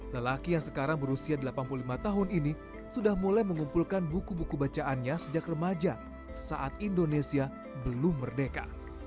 lelaki yang sekarang berusia delapan puluh lima tahun ini sudah mulai mengumpulkan buku buku bacaannya sejak remaja saat indonesia belum merdeka